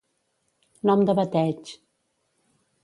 Nom de bateig.